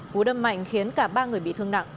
cú đâm mạnh khiến cả ba người bị thương nặng